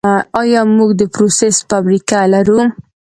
آیا موږ د پروسس فابریکې لرو؟